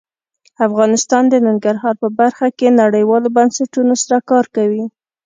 افغانستان د ننګرهار په برخه کې نړیوالو بنسټونو سره کار کوي.